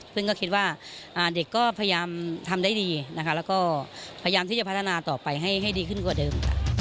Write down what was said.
ซึ่งก็คิดว่าเด็กก็พยายามทำได้ดีนะคะแล้วก็พยายามที่จะพัฒนาต่อไปให้ดีขึ้นกว่าเดิมค่ะ